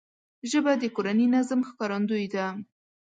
ژبه د کورني نظم ښکارندوی ده